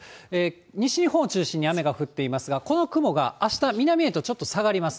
西日本を中心に雨が降っていますが、この雲があした南へとちょっと下がります。